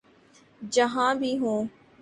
جہاں بھی ہوں۔